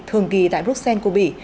thường kỳ tại bruxelles cô bỉ